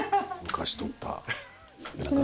昔取った。